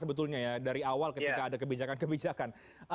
sebetulnya ya dari awal ketika ada kebijakan kebijakan